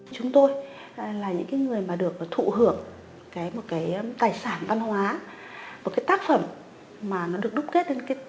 chúng tôi là những người được thụ hưởng một tài sản văn hóa một tác phẩm